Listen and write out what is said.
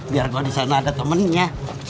biar gue disana ada temennya